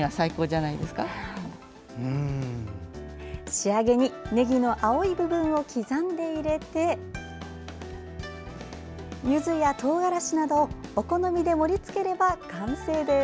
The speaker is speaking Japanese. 仕上げにねぎの青い部分を刻んで入れてゆずや、とうがらしなどをお好みで盛り付ければ完成です。